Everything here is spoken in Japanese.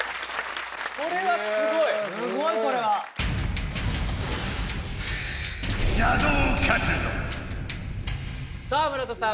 これはすごいすごいこれはさあ村田さん